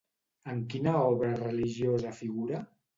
En quina obra religiosa figura?